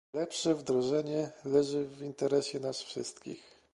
Lepsze wdrożenie leży w interesie nas wszystkich